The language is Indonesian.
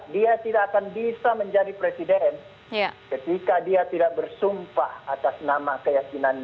dia tidak akan bisa menjadi presiden ketika dia tidak bersumpah atas nama keyakinannya